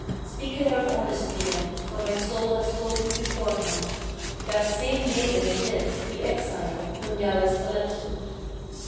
Speak it out honestly, then; for my soul has told me beforehand: That same maiden it is, the exile, whom thou hast elected."